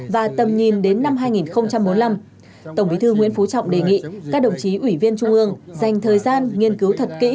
và tầm nhìn đến năm hai nghìn bốn mươi năm tổng bí thư nguyễn phú trọng đề nghị các đồng chí ủy viên trung ương dành thời gian nghiên cứu thật kỹ